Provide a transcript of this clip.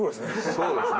そうですね。